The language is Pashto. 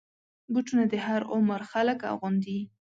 بوټونه د هر عمر خلک اغوندي.